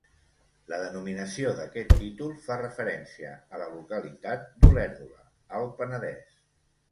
La denominació d'aquest títol fa referència a la localitat d'Olèrdola, Alt Penedès.